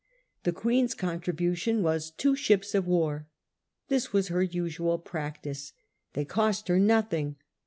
The Queen's contribution was two ships of war. This was her usual practice. They cost her nothing.